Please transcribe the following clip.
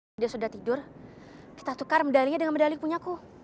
sampai jumpa di video selanjutnya